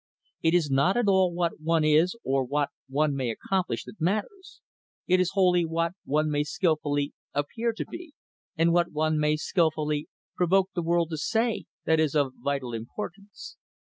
It is not at all what one is, or what one may accomplish that matters; it is wholly what one may skillfully appear to be, and what one may skillfully provoke the world to say, that is of vital importance.